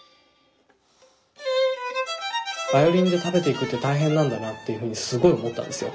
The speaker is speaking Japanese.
バイオリンで食べていくって大変なんだなっていうふうにすごい思ったんですよ。